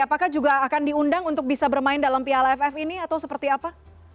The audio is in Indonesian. apakah juga akan diundang untuk bisa bermain dalam piala aff ini atau seperti apa